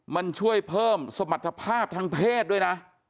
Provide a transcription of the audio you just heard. มันช่วยเพิ่มสมรรถภาพทางเพศด้วยนะ